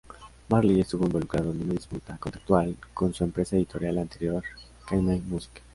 Marley estuvo involucrado en una disputa contractual con su empresa editorial anterior, "Cayman Music".